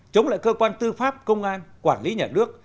chống lại cơ quan tư pháp công an quản lý nhà nước